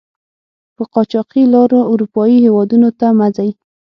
په قاچاقي لارو آروپایي هېودونو ته مه ځئ!